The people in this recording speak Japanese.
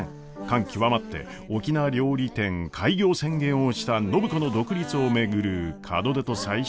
感極まって沖縄料理店開業宣言をした暢子の独立を巡る門出と再出発のあれやこれや。